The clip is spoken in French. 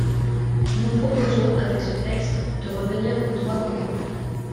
Nous proposons, avec ce texte, de revenir au droit commun.